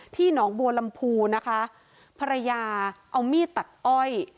หนองบัวลำพูนะคะภรรยาเอามีดตัดอ้อย